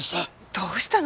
どうしたの？